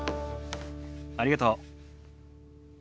ありがとう。